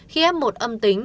khi f một âm tính